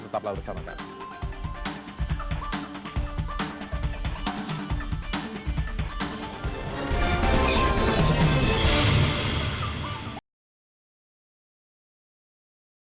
sertaplah bersama kami